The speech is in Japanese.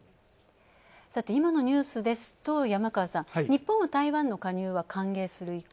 今のニュースですと、山川さん、日本は台湾の加入を歓迎する意向。